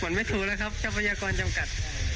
หมอนไม่ถูแล้วครับชัพพยากรจำกัด